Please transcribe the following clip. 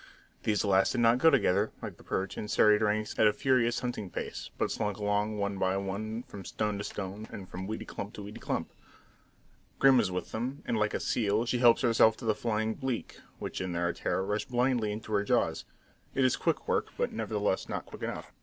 These last did not go together, like the perch, in serried ranks at a furious hunting pace, but slunk along one by one from stone to stone, and from weedy clump to weedy clump. Grim is with them, and like a seal she helps herself to the flying bleak which in their terror rush blindly into her jaws. It is quick work, but nevertheless not quick enough.